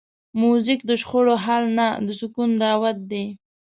موزیک د شخړو حل نه، د سکون دعوت دی.